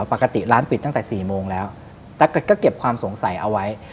ปกติร้านปิดตั้งแต่๔โมงแล้วแต่ก็เก็บความสงสัยเอาไว้